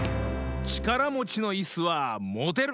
ちからもちのいすはもてる！